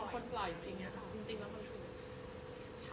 เป็นคนปล่อยจริงนะครับ